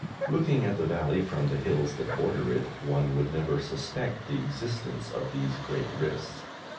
Looking at the valley from the hills that border it, one would never suspect the existence of these great rifts.